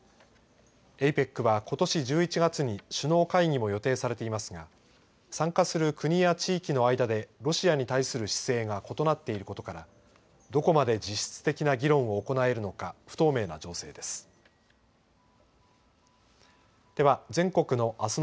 ＡＰＥＣは、今年１１月に首脳会議も予定されていますが参加する国や地域の間でロシアに対する姿勢が異なっていることからどこまで実質的な議論を行えるのか不透明な情勢です。